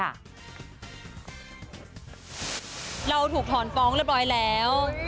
เราถูกถอนฟ้องเรียบร้อยแล้ว